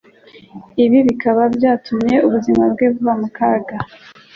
ibi bikaba byatumye ubuzima bwe buba mu kaga.